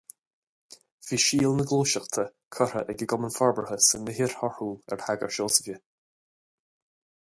Bhí síol na Gluaiseachta curtha ag an gCumann Forbartha san ithir thorthúil ar thagair Seosamh di.